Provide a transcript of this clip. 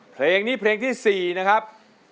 เพลงนี้เพลงที่๔นะครับ